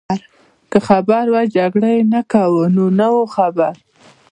که خبر وای جګړه يې نه کول، نو نه وو خبر.